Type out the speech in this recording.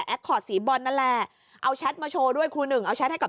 คอร์ดสีบอลนั่นแหละเอาแชทมาโชว์ด้วยครูหนึ่งเอาแชทให้กับ